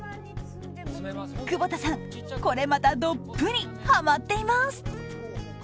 窪田さん、これまたどっぷりハマっています！